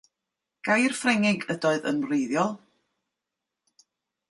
Gair Ffrengig ydoedd yn wreiddiol.